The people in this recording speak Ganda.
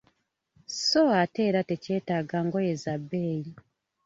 So ate era tekyetaaga ngoye za bbeeyi.